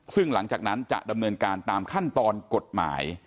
ซึ่งหลังจากนั้นจะดำเนินการตามขั้นตอนกฎหมาย